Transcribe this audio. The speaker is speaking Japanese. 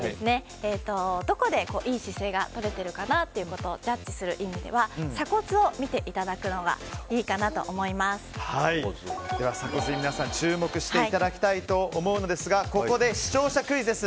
どこで、いい姿勢がとれているかなということをジャッジする意味では鎖骨を見ていただくのが鎖骨に皆さん注目していただきたいと思うのですがここで視聴者クイズです。